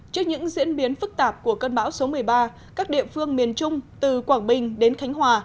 trước những diễn biến phức tạp của cơn bão số một mươi ba các địa phương miền trung từ quảng bình đến khánh hòa